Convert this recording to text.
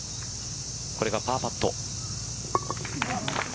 これがパーパット。